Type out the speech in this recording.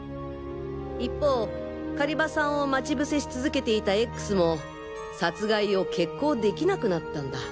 一方狩場さんを待ち伏せし続けていたＸも殺害を決行できなくなったんだ。